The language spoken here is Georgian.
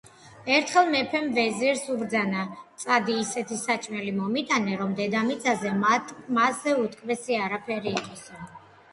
ერთხელ მეფემ ვეზირს უბრძანა: წადი, ისეთი საჭმელი მომიტანე, რომ დედამიწაზე მასზე უტკბესი არაფერი იყოსო.